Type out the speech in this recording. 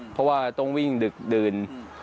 เพราะว่าต้องวิ่งดึกดื่น